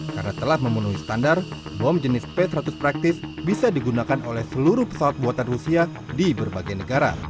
karena telah memenuhi standar bom jenis p seratus practice bisa digunakan oleh seluruh pesawat buatan rusia di berbagai negara